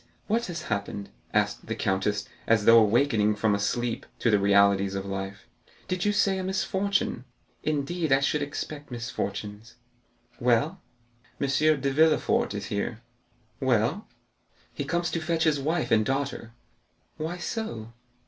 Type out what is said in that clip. What has happened?" asked the countess, as though awakening from a sleep to the realities of life; "did you say a misfortune? Indeed, I should expect misfortunes." "M. de Villefort is here." "Well?" "He comes to fetch his wife and daughter." "Why so?"